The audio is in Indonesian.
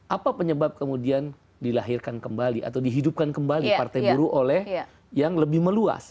apa penyebab kemudian dilahirkan kembali atau dihidupkan kembali partai buruh oleh yang lebih meluas